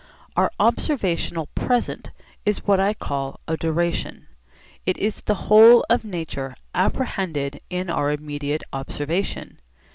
Our observational 'present' is what I call a 'duration.' It is the whole of nature apprehended in our immediate observation.